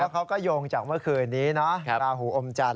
เขาก็โยงจากเมื่อคืนนี้นะราหูอมจันท